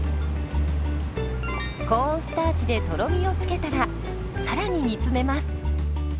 コーンスターチでとろみを付けたらさらに煮詰めます。